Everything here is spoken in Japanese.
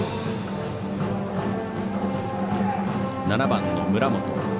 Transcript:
７番の村本。